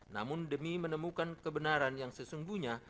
namun demi menemukan kebenaran yang sesungguhnya